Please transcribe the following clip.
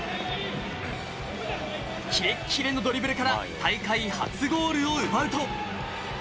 キレキレのドリブルから大会初ゴールを奪うと。